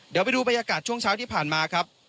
เดี๋ยวไปดูบรรยากาศช่วงเช้าที่ผ่านมาครับ